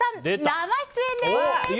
生出演です！